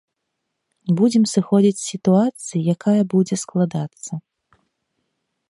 Будзем сыходзіць з сітуацыі, якая будзе складацца.